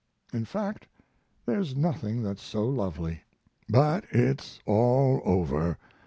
In fact, there's nothing that's so lovely. But it's all over.